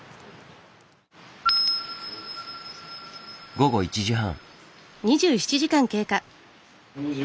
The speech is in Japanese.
午後１時半。